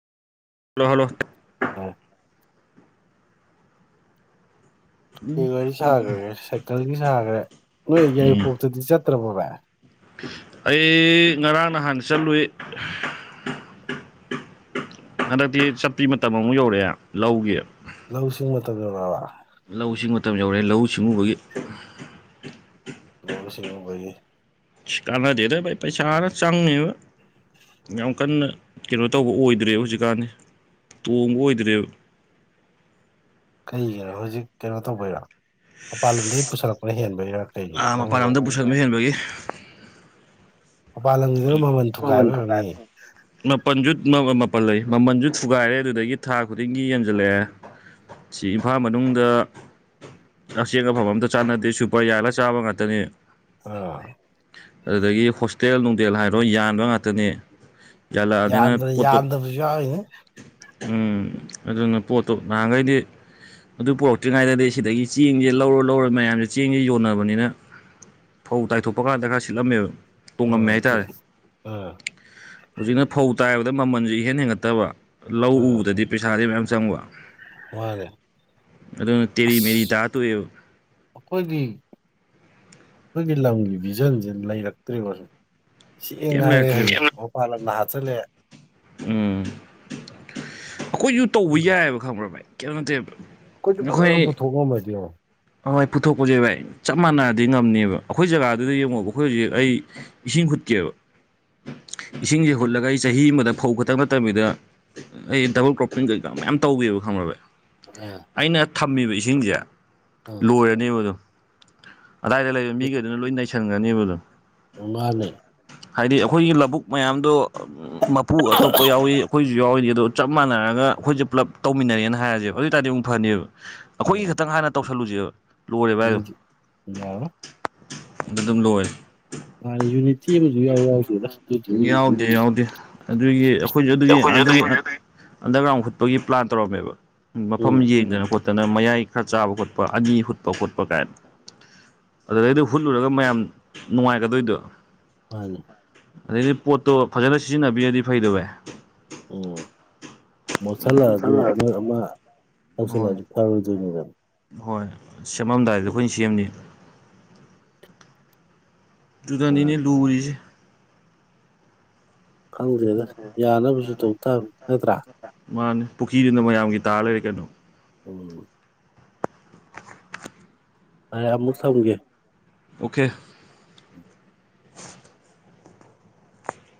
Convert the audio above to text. hello hello [unintelligible] [unintelligible] ꯋꯥꯔꯤ ꯁꯥꯒ꯭ꯔꯦ ꯁꯥꯏꯀꯜꯒꯤ ꯁꯥꯒ꯭ꯔꯦ ꯅꯣꯏ ꯎꯝ ꯌꯥꯏꯔꯤꯄꯣꯛꯇꯗꯤ ꯆꯠꯇ꯭ꯔꯕꫭ ꯚꯥꯏ ꯑꯩ ꯉꯔꯥꯡ ꯅꯥꯍꯥꯟ ꯆꯠꯂꯨꯏ ꯍꯟꯗꯛꯇꯤ ꯆꯠꯄꯤ ꯃꯇꯝ ꯑꯃꯨꯛ ꯌꯧꯔꯛꯑꯦ ꯂꯧꯒꯤ ꯂꯧ ꯏꯁꯤꯡ ꯃꯇꯝ‌ ꯌꯧꯔꯑꯕ ꯂꯧ ꯏꯁꯤꯡ ꯃꯇꯝ ꯌꯧꯔꯑꯦ ꯂꯧꯎ ꯁꯤꯡꯎꯕꯒꯤ ꯂꯧꯎ ꯁꯤꯡꯎꯕꯒꯤ ꯀꯥꯅꯗꯦꯗ ꯚꯥꯏ ꯄꯩꯁꯥꯅ ꯆꯪꯉꯤꯕ ꯌꯥꯝ ꯀꯟꯅ ꯀꯩꯅꯣ ꯇꯧꯕ ꯑꯣꯏꯗ꯭ꯔꯦꯕ ꯍꯧꯖꯤꯛꯀꯥꯟꯗꯤ ꯇꯣꯡꯕ ꯑꯣꯏꯗ꯭ꯔꯦꯕ ꯀꯩꯒꯤꯔꫭ ꯍꯧꯖꯤꯛ ꯀꯩꯅꯣ ꯇꯧꯕꯩꯔꫭ ꯃꯄꯥꯟ ꯂꯝꯗꯩ ꯄꯨꯁꯜꯂꯛꯄꯅ ꯍꯦꯟꯕꯩꯔ ꯑ ꯃꯄꯥꯟ ꯂꯝꯗ ꯄꯨꯁꯟꯕ ꯍꯦꯟꯕꯒꯤ ꯃꯄꯥꯟ ꯂꯝꯒꯤꯗꯨꯅ ꯃꯃꯜ ꯊꯨꯒꯥꯏꯕ ꯑꯣꯏꯔꯝꯅꯤ [unintelligible] ꯃꯥꯄꯟꯖꯨ [unintelligible] ꯃꯥꯄꯜ ꯂꯩ ꯃꯃꯜꯖꯨ ꯊꯨꯒꯥꯏꯔꯦ ꯑꯗꯨꯗꯒꯤ ꯊꯥ ꯈꯨꯗꯤꯡꯒꯤ ꯌꯦꯟꯖꯜꯂꯛꯑꯦ ꯁꯤ ꯏꯝꯐꯥꯜ ꯃꯅꯨꯡꯗ [unintelligible] ꯆꯦꯡ ꯑꯐꯕ ꯑꯝꯇ ꯆꯥꯟꯅꯗꯦ ꯁꯨꯄꯔ ꯌꯥꯜꯂꯒ ꯆꯥꯕ ꯉꯥꯛꯇꯅꯤ ꯑ ꯑꯗꯨꯗꯒꯤ ꯍꯣꯁꯇꯦꯜ ꯅꯨꯡꯗꯦꯜ ꯍꯥꯏꯔꯣ ꯌꯥꯟꯕ ꯉꯥꯛꯇꯅꯤ ꯌꯥꯜꯂꯛꯑꯕꯅꯤꯅ ꯌꯥꯟꯕꯗ ꯄꯣꯠꯇꯣ ꯌꯥꯟꯗꯞꯖꯨ ꯌꯥꯎꯔꯤꯅꯤ ꯎꯝ ꯑꯗꯨꯅ ꯄꯣꯠꯇꯣ ꯅꯍꯥꯟꯒꯩꯗꯤ ꯑꯗꯨ ꯄꯨꯔꯛꯇ꯭ꯔꯤꯉꯩꯗꯗꯤ ꯁꯤꯗꯒꯤ ꯆꯦꯡꯖꯦ ꯂꯧꯔ ꯂꯧꯔ ꯃꯌꯥꯝꯖꯦ ꯆꯦꯡꯖꯦ ꯌꯣꯟꯅꯕꯅꯤꯅ ꯐꯧ ꯇꯥꯏꯊꯣꯛꯄ ꯀꯥꯟꯗ ꯈꯔ ꯁꯤꯠꯂꯝꯃꯦꯕ ꯇꯣꯡꯉꯝꯃꯦ ꯍꯥꯏ ꯇꯦ ꯑ ꯍꯨꯖꯤꯛꯅ ꯐꯧ ꯇꯥꯏꯕꯗ ꯃꯃꯜꯖꯦ ꯏꯍꯦꯟ ꯍꯦꯟꯒꯠꯇꯕ ꯂꯧ ꯑꯥ ꯎꯕꯗꯗꯤ ꯄꯩꯁꯥꯗꯤ ꯃꯌꯥꯝ ꯆꯪꯕ ꯃꯥꯅꯦ ꯑꯗꯨꯅ ꯇꯦꯔꯤ ꯃꯦꯔꯤ ꯇꯥꯔ ꯇꯣꯛꯑꯦꯕ ꯑꯈꯣꯏꯒꯤ ꯑꯈꯣꯏꯒꯤ ꯂꯝꯒꯤ ꯚꯤꯖꯟꯖꯦ ꯂꯩꯔꯛꯇ꯭ꯔꯦꯕ ꯁꯨꯝ ꯆꯦꯡ ꯀꯩꯝ ꯍꯥꯏꯔꯦ ꯂꯩꯔꯛꯇ꯭ꯔꯦꯕ [unintelligible] ꯃꯄꯥꯟ ꯂꯝꯅ ꯍꯥꯠꯆꯜꯂꯛꯑꯦ ꯎꯝ ꯑꯈꯣꯏꯖꯨ ꯇꯧꯕ ꯌꯥꯏꯑꯦꯕ ꯈꯪꯕ꯭ꯔ ꯚꯥꯏ ꯀꯩꯝ ꯅꯠꯇꯦꯕ ꯑꯈꯣꯏꯖꯨ ꯐꯖꯅ ꯄꯨꯊꯣꯛ ꯉꯝꯃꯗꯤ ꯌꯦꯡꯉꯣ ꯍꯣꯏ ꯍꯣꯏ ꯄꯨꯊꯣꯛꯄꯖꯦ ꯚꯥꯏ ꯆꯞ ꯃꯥꯟꯅꯔꯗꯤ ꯉꯝꯅꯦꯕ ꯑꯈꯣꯏ ꯖꯒꯥꯗꯨꯗ ꯌꯦꯡꯉꯣꯕ ꯑꯈꯣꯏ ꯍꯧꯖꯤꯛ ꯑꯩ ꯏꯁꯤꯡ ꯍꯨꯠꯀꯦꯕ ꯏꯁꯤꯡꯖꯦ ꯍꯨꯠꯂꯒ ꯑꯩ ꯆꯍꯤ ꯑꯃꯗ ꯐꯧ ꯈꯇꯪ ꯅꯠꯇꯕꯤꯗ ꯑꯩ ꯗꯕꯜ ꯀ꯭ꯔꯣꯞꯄꯤꯡ ꯀꯩꯀꯥ ꯃꯌꯥꯝ ꯇꯧꯒꯦꯕ ꯈꯪꯕꯔ ꯚꯥꯏ ꯑ ꯑꯩꯅ ꯊꯝꯃꯤꯕ ꯏꯁꯤꯡꯖꯦ ꯑꯥ ꯑꯣꯏꯔꯅꯦꯕ ꯑꯗꯣ ꯑꯗꯥꯏꯗ ꯂꯩꯕ ꯃꯤꯒꯩꯗꯨꯅ ꯂꯣꯏ ꯅꯩꯁꯟꯒ꯭ꯔꯅꯦꯕ ꯑꯗꯣ ꯃꯥꯅꯦ ꯍꯥꯏꯗꯤ ꯑꯩꯈꯣꯏꯒꯤ ꯂꯧꯕꯨꯛ ꯃꯌꯥꯝꯗꯣ ꯃꯄꯨ ꯑꯇꯣꯞꯄ ꯌꯥꯎꯋꯤ ꯑꯩꯈꯣꯏ ꯨ ꯖꯨ ꯌꯥꯎꯋꯤ ꯑꯗꯣ ꯆꯞ ꯃꯥꯟꯅꯔꯒ ꯑꯩꯈꯣꯏꯁꯦ ꯄꯨꯂꯞ ꯇꯧꯃꯤꯟꯅꯔꯦꯅ ꯍꯥꯏꯔꯁꯦꯕ ꯑꯗꯨ ꯑꯣꯏꯇꯥꯔꯗꯤ ꯑꯃꯨꯛ ꯐꯅꯦꯕ ꯑꯩꯈꯣꯏꯒꯤ ꯎꯝ ꯈꯛꯇꯪ ꯍꯥꯟꯅ ꯇꯧꯁꯜꯂꯨꯖꯦꯕ ꯂꯣꯏꯔꯦ ꯚꯥꯏ ꯑꯗꯨꯝ ꯑꯗꯨꯗꯤ ꯌꯥꯔꯣꯏ ꯑꯗ ꯑꯗꯨꯝ ꯂꯣꯏꯔꯦ ꯃꯥꯅꯦ ꯌꯨꯅꯤꯠ ꯌꯥꯎꯗꯦ ꯌꯥꯎꯗꯦ ꯑꯗꯨꯒꯤ ꯑꯩꯈꯣꯏꯖꯨ ꯑꯗꯨꯒꯤ ꯑꯗꯨꯒꯤ [unintelligible] ꯑꯟꯗꯔꯒ꯭ꯔꯥꯎꯟ ꯍꯨꯠꯄꯒꯤ ꯄ꯭ꯂꯥꯟ ꯇꯧꯔꯝꯃꯦꯕ ꯃꯐꯝ ꯎꯝ ꯌꯦꯡꯗꯅ ꯈꯣꯠ ꯇꯅ ꯃꯌꯥꯏ ꯈꯔ ꯆꯥꯕ ꯈꯣꯠꯄ ꯑꯅꯤ ꯍꯨꯠꯄ ꯈꯣꯠꯄ ꯀꯥꯏꯅ ꯑꯗꯨꯗꯩꯗ ꯍꯨꯠꯂꯨꯔꯒ ꯃꯌꯥꯝ ꯅꯨꯡꯉꯥꯏꯒꯗꯣꯏꯗꯣ ꯃꯥꯅꯦ ꯑꯗꯩꯗꯤ ꯄꯣꯠꯇꯣ ꯐꯖꯅ ꯁꯤꯖꯤꯟꯅꯕꯤꯔꯗꯤ ꯐꯩꯗꫭ ꯚꯥꯏ ꯎꯝ ꯃꯣꯠꯁꯜꯂꯛꯑꯖꯨ ꯑꯃ ꯑꯃ ꯍꯣꯏ ꯇꯧꯁꯜꯂꯛꯑꯁꯨ ꯐꯔꯣꯏꯗꯣꯏꯅꯤꯗꫭ ꯍꯣꯏ ꯁꯦꯝꯃꯝꯗꯥꯏꯗ ꯑꯩꯈꯣꯏꯅ ꯁꯦꯝꯅꯤ ꯨꯗꯨꯗꯅꯤꯅꯦ ꯃꯥꯅꯦ ꯂꯨꯔꯤꯖꯦ ꯈꯪꯗ꯭ꯔꯦꯗ ꯌꯥꯅꯕꯁꯨ ꯇꯧ ꯇꯥꯕꯅꯤ ꯅꯠꯇ꯭ꯔꯥ ꯃꯥꯅꯤ ꯄꯨꯈ꯭ꯔꯤꯗꯨꯅ ꯃꯌꯥꯝꯒꯤ ꯇꯥꯔ ꯂꯩꯔꯦ ꯀꯩꯅꯣ ꯎꯝ ꯑꯩ ꯑꯃꯨꯛ ꯊꯝꯒꯦ ꯑꯣꯈꯦ